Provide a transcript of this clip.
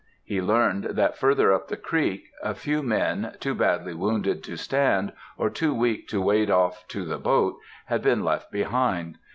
He learned that, further up the creek, a few men, too badly wounded to stand, or too weak to wade off to the boat, had been left behind.